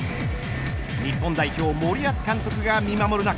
日本代表、森保監督が見守る中